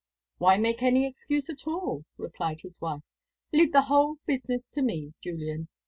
"Why make any excuse at all?" replied his wife. "Leave the whole business to me, Julian.